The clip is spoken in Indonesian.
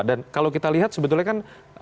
dan kalau kita lihat sebetulnya kan